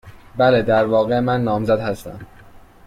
بله. در واقع، من نامزد هستم.